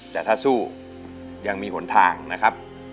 แต่ถ้าสู้ยังมีหนทางนะครับ